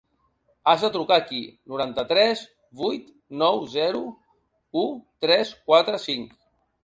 Has de trucar aquí: noranta-tres vuit nou zero u tres quatre cinc.